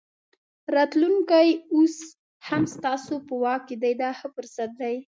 راتلونکی اوس هم ستاسو په واک دی دا ښه فرصت دی.